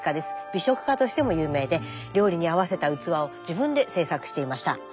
美食家としても有名で料理に合わせた器を自分で制作していました。